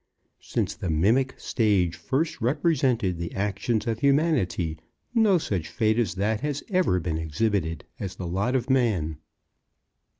Since the mimic stage first represented the actions of humanity, no such fate as that has ever been exhibited as the lot of man.